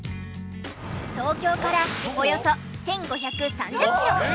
東京からおよそ１５３０キロ。